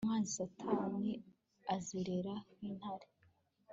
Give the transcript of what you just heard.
Umwanzi Satani azerera nk intare